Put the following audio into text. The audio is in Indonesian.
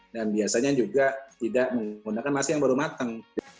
biasanya juga tidak menggunakan nasi yang baru matang